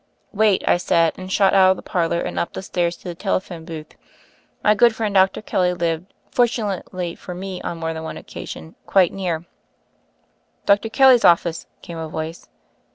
"Wait," I said, and shot out of the parlor and up the stairs to the telephone booth. My good friend Dr. Kelly lived, fortunately for me on more than one occasion, quite near. "Dr. Kelly's office," came a voice.